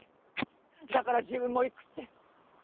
だから自分も行くって。